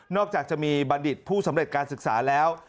จากจะมีบัณฑิตผู้สำเร็จการศึกษาแล้ว